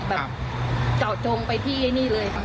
แบบจอดจงไปที่นี่เลย